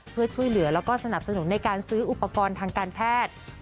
เพื่อช่วยเหลือแล้วก็สนับสนุนในการซื้ออุปกรณ์ทางการแพทย์